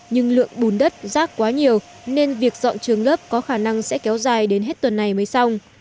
nhưng lượng bùn đất rác quá nhiều nên việc dọn trường lớp có khả năng sẽ kéo dài đến hết tuần này mới xong